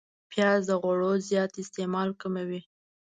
پیاز د غوړو زیات استعمال کموي